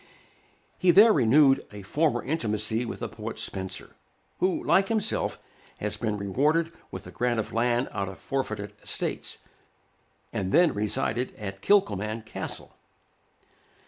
He there renewed a former intimacy with the poet Spenser, who, like himself, had been rewarded with a grant of land out of forfeited estates, and then resided at Kilcolman Castle.